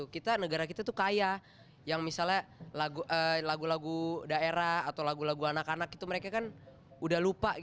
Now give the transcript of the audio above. kita negara kita tuh kaya yang misalnya lagu lagu daerah atau lagu lagu anak anak itu mereka kan udah lupa